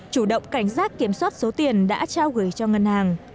chủ động cảnh giác kiểm soát số tiền đã trao gửi cho ngân hàng